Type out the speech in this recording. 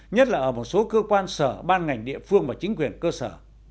nhất là ở một số cơ quan sở ban ngành địa phương và chính quyền cơ sở